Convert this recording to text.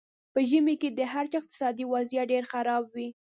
په ژمي کې د هر چا اقتصادي وضیعت ډېر خراب وي.